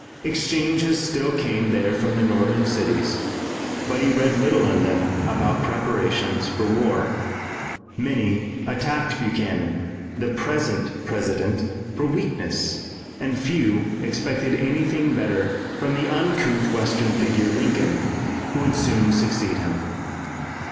Exchanges still came there from the northern cities, but he read little in them about preparations for war. Many attacked Buchanan, the present President, for weakness, and few expected anything better from the uncouth western figure, Lincoln, who would soon succeed him.